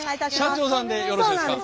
社長さんでよろしいですか？